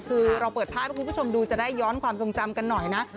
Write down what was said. คือเราเปิดภาพให้คุณผู้ชมดูจะได้ย้อนความทรงจำกันหน่อยนะ